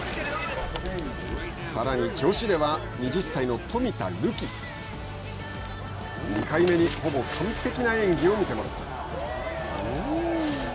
さらに女子では２０歳の冨田るき。２回目にほぼ完璧な演技を見せます。